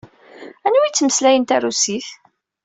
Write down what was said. Anwa ay yettmeslayen tarusit?